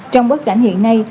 trong bối cảnh hiện nay